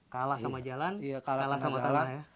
kalah sama jalan kalah sama tanah ya